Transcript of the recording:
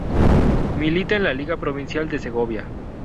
Milita en la liga provincial de Segovia.